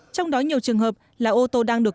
trong đó nhiều trường hợp là ô tô đang được